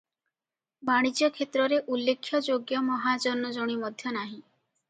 ବାଣିଜ୍ୟକ୍ଷେତ୍ରରେ ଉଲ୍ଲେଖ୍ୟଯୋଗ୍ୟ ମହାଜନ ଜଣେ ମଧ୍ୟ ନାହିଁ ।